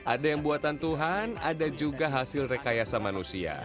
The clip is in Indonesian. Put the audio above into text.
ada yang buatan tuhan ada juga hasil rekayasa manusia